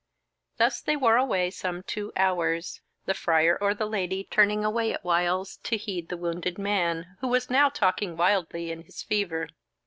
Thus they wore away some two hours, the Friar or the Lady turning away at whiles to heed the wounded man, who was now talking wildly in his fever.